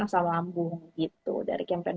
asam lambung gitu dari campaign